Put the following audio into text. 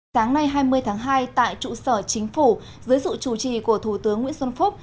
sáng nay hai mươi tháng hai tại trụ sở chính phủ dưới sự chủ trì của thủ tướng nguyễn xuân phúc